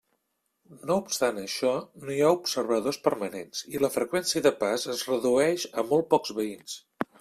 No obstant això, no hi ha observadors permanents i la freqüència de pas es redueix a molt pocs veïns.